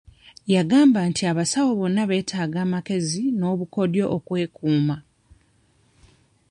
Yagamba nti abasawo bonna beetaaga amagezi n'obukodyo okwekuuma.